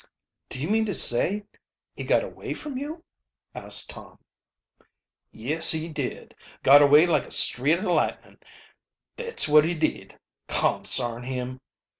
"Do you mean to say he got away from you?" asked Tom. "Yes, he did got away like a streak o' fightnin', thet's wot he did, consarn him!"